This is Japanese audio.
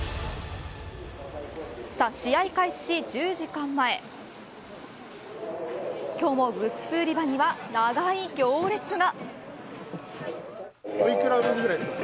試合開始１０時間前今日もグッズ売り場には長い行列が。